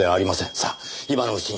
さあ今のうちに。